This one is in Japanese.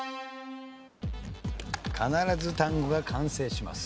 必ず単語が完成します。